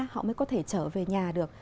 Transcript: họ mới có thể trở về nhà được